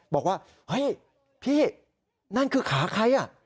บอกว่าเฮ้ยพี่นั่นคือขาใครอ่ะ